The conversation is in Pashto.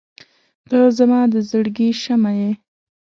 • ته زما د زړګي شمعه یې.